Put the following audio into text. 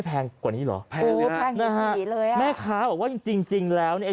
แพงกว่าเปียกกี่เลย